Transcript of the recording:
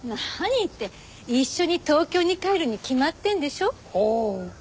何って一緒に東京に帰るに決まってんでしょ。